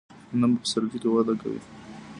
غنم په پسرلي کې وده کوي.